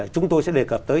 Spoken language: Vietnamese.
chúng tôi sẽ đề cập tới